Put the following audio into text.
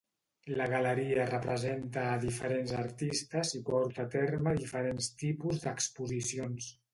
La galeria representa a diferents artistes i porta a terme diferents tipus d'exposicions.